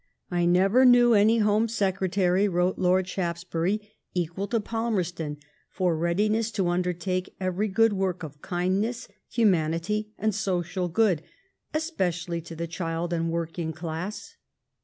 " I never knew any Home Secre tary," wrote Lord Shaftesbury, "equal to Palmerston for readiness to undertake every good work of kindness, humanity^ and social good^ especially to the child and the working class.